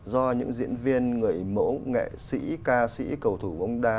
do những diễn viên người mẫu nghệ sĩ ca sĩ cầu thủ bóng đá